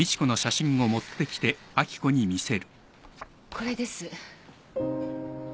これです。